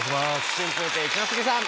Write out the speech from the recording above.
春風亭一之輔さん。